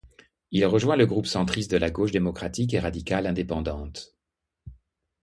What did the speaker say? Il rejoint le groupe centriste de la Gauche démocratique et radicale indépendante.